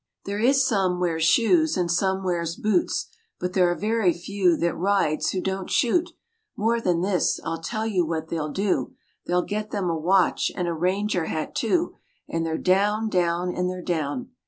There is some wears shoes and some wears boots, But there are very few that rides who don't shoot; More than this, I'll tell you what they'll do, They'll get them a watch and a ranger hat, too, And they're down, down, and they're down.